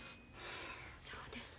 そうですか。